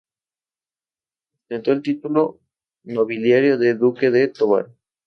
Ostentó el título nobiliario de duque de Tovar.